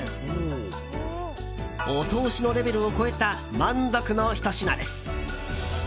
お通しのレベルを超えた満足のひと品です。